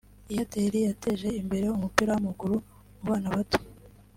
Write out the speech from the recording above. Airtel yateje imbere umupira w’amaguru mu bana bato